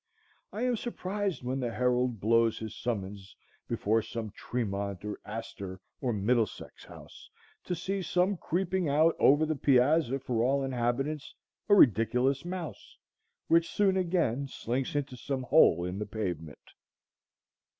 I am surprised when the herald blows his summons before some Tremont or Astor or Middlesex House, to see come creeping out over the piazza for all inhabitants a ridiculous mouse, which soon again slinks into some hole in the pavement.